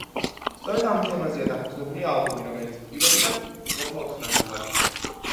სწორედ ამ თემაზეა დაფუძნებული ალბომი, რომელიც პირობითად იყოფა ოთხ ნაწილად.